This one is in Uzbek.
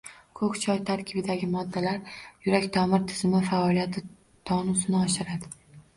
Ko‘k choy tarkibidagi moddalar yurak-tomir tizimi faoliyati tonusini oshiradi.